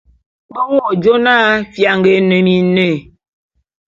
Be wo jona fianga é ne miné.